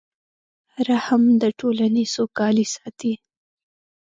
رحم د ټولنې سوکالي ساتي.